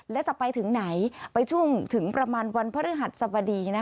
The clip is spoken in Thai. และจะไปถึงไหนไปช่วงถึงประมาณวันพฤหัสสบดี